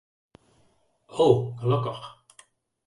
O, gelokkich.